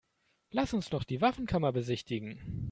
Lass uns noch die Waffenkammer besichtigen.